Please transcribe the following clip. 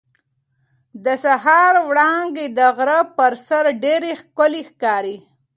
د سهار وړانګې د غره پر سر ډېرې ښکلې ښکاري.